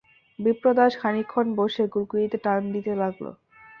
বিপ্রদাস খানিকক্ষণ বসে গুড়গুড়িতে টান দিতে লাগল।